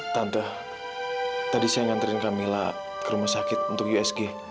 tante tadi saya ngantriin kak mila ke rumah sakit untuk usg